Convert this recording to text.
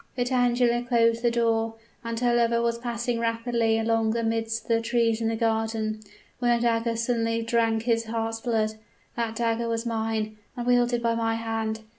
"Vitangela closed the door and her lover was passing rapidly along amidst the trees in the garden, when a dagger suddenly drank his heart's blood. That dagger was mine, and wielded by my hand!